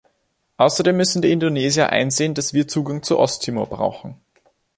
Außerdem müssen die Indonesier einsehen, dass wir Zugang zu Osttimor brauchen.